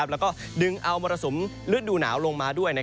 แล้วก็ดึงเอามรสุมฤดูหนาวลงมาด้วย